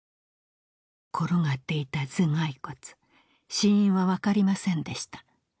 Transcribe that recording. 転がっていた頭蓋骨死因は分かりませんでした